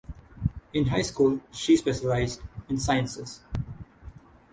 In high school she specialised in science.